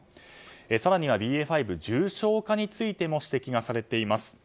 更にはＢＡ．５重症化についても指摘がされています。